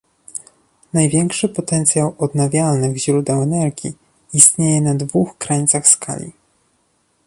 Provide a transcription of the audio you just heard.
Największy potencjał odnawialnych źródeł energii istnieje na dwóch krańcach skali